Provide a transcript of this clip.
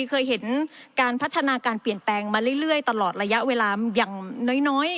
เคยเห็นการพัฒนาการเปลี่ยนแปลงมาเรื่อยตลอดระยะเวลาอย่างน้อย